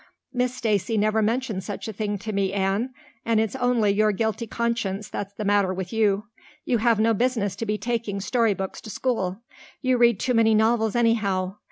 "Miss Stacy never mentioned such a thing to me, Anne, and its only your guilty conscience that's the matter with you. You have no business to be taking storybooks to school. You read too many novels anyhow.